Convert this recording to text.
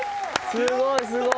すごいすごい。